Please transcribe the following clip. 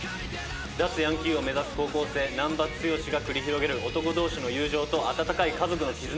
脱ヤンキーを目指す高校生難破剛が繰り広げる男同士の友情と温かい家族の絆。